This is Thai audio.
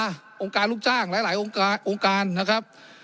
โรงการลูกจ้างหลายหลายโรงการโรงการนะครับ